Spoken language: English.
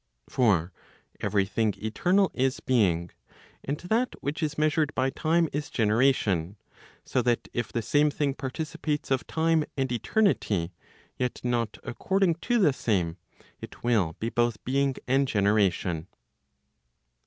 For every thing eternal is being, and that which is measured by time is generation. So that if the same thing participates of time and eternity, yet not according to the same, it will be both being and generation.